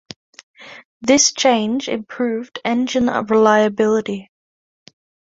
This change improved engine reliability.